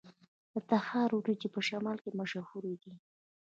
د تخار وریجې په شمال کې مشهورې دي.